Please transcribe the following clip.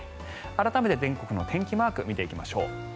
改めて全国の天気マーク見ていきましょう。